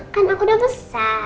kan aku udah besar